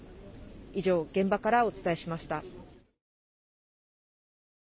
以上、現場からお伝えしました。